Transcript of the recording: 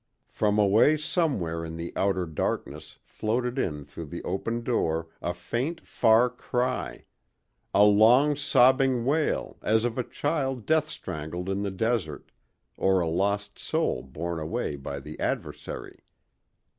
From away somewhere in the outer darkness floated in through the open door a faint, far cry—a long, sobbing wail, as of a child death strangled in the desert, or a lost soul borne away by the Adversary.